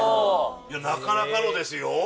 なかなかのですよ。